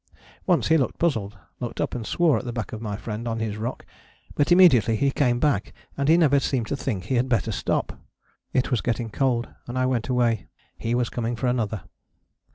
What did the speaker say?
Once he looked puzzled, looked up and swore at the back of my friend on his rock, but immediately he came back, and he never seemed to think he had better stop. It was getting cold and I went away: he was coming for another.